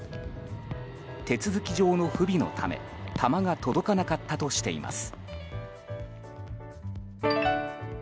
手続き上の不備のため弾が届かなかったとしています。